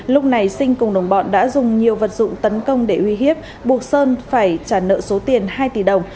lúc này sinh cùng đồng bọn đã dùng nhiều vật dụng tấn công để uy hiếp buộc sơn phải trả nợ số tiền hai tỷ đồng